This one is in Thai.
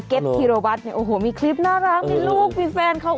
เก็ตทิโรบัสโอ้โหมีคลิปน่ารักมีลูกมีแฟนเขา